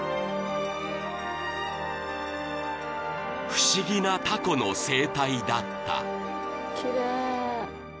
［不思議なタコの生態だった］